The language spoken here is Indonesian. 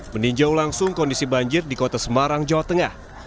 meninjau langsung kondisi banjir di kota semarang jawa tengah